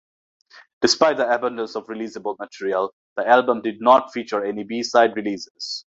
Despite the abundance of releasable material, this album did not feature any B-side releases.